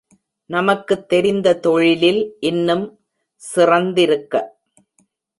நமக்குத் தெரிந்த தொழிலில் இன்னும் சிறந்திருக்க.